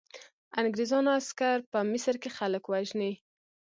انګریزانو عسکر په مصر کې خلک وژني.